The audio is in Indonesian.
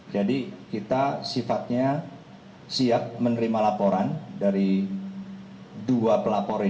jadi kita sifatnya siap menerima laporan dari dua pelapor ini